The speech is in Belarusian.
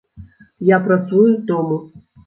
Я працую з дому.